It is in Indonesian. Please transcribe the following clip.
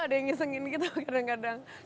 ada yang ngisengin gitu kadang kadang